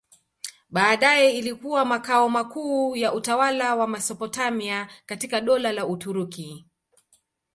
Baadaye ilikuwa makao makuu ya utawala wa Mesopotamia katika Dola la Uturuki.